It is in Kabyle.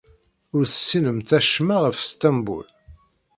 Ur tessinemt acemma ɣef Sṭembul.